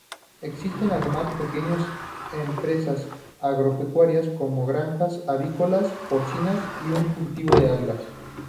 Existen además pequeñas empresas agropecuarias como granjas avícolas, porcinas y un cultivo de algas.